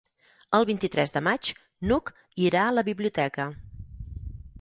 El vint-i-tres de maig n'Hug irà a la biblioteca.